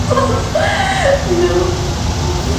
A veces la correspondencia verbal se produce por intermediación.